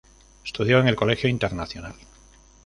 Estudió en el Colegio Internacional.